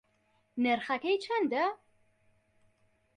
نرخەکەی چەندە؟